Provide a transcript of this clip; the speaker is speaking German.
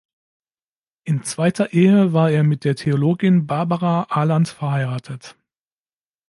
In zweiter Ehe war er mit der Theologin Barbara Aland verheiratet.